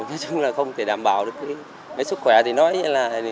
nói chung là không thể đảm bảo được cái sức khỏe